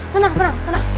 tenang tenang tenang